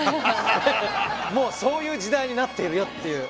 もうそういう時代になっているよっていう。